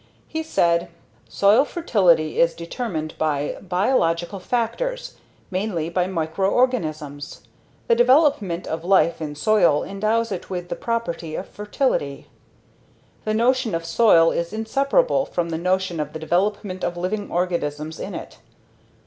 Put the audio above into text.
He said, ".. soil fertility is determined by biological factors, mainly by microorganisms. The development of life in soil endows it with the property of fertility. The notion of soil is inseparable from the notion of the development of living organisms in it.